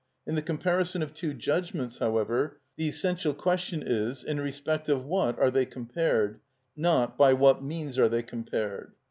In the comparison of two judgments, however, the essential question is, in respect of what are they compared? not by what means are they compared?